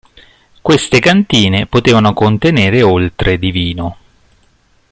Queste cantine potevano contenere oltre di vino.